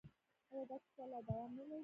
آیا دا کیسه لا دوام نلري؟